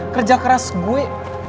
kerja keras gue